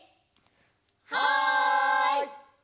はい！